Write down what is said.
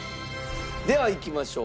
ではいきましょう。